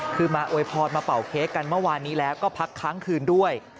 คือมาอวยพรมาเป่าเค้กกันเมื่อวานนี้แล้วก็พักค้างคืนด้วย